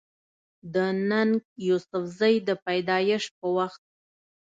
د ننګ يوسفزۍ د پېدايش پۀ وخت